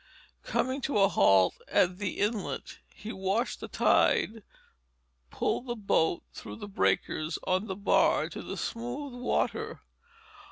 Coming to a halt at the inlet, he watched the tide pull the boat through the breakers on the bar to the smooth water.